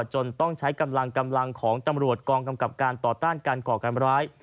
จนต้องใช้กำลังของกองกำกับการต่อต้านการก่อการบร้าย